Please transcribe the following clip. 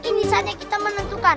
ini saatnya kita menentukan